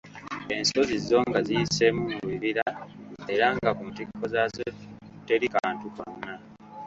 Ensozi zo nga ziyiseemu mu bibira era nga ku ntikko zaazo teri kantu konna.